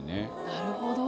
なるほど。